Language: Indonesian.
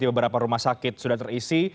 beberapa rumah sakit sudah terisi